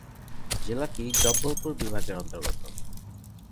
জেলাটি জব্বলপুর বিভাগ এর অন্তর্গত।